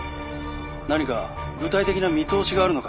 何か具体的な見通しがあるのか？